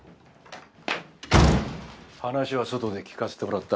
話は外で聞かせてもらった。